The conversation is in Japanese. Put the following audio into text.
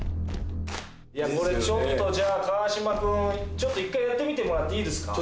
これちょっとじゃあ川島君一回やってみてもらっていいですか？